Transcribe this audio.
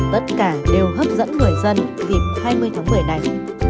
tất cả đều hấp dẫn người dân dịp hai mươi tháng một mươi này